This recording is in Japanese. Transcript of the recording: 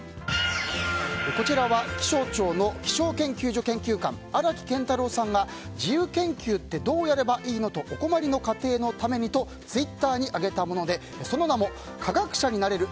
こちらは気象庁の気象研究所研究官荒木健太郎さんが自由研究ってどうやればいいのとお困りの家庭のためにとツイッターに上げたものでその名も「科学者になれる！